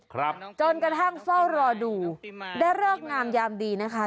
ครับจนกระทั่งเฝ้ารอดูได้เลิกงามยามดีนะคะ